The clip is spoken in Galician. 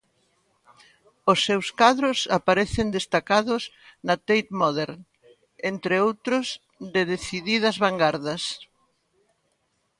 Os seus cadros aparecen destacados na Tate Modern, entre outros de decididas vangardas.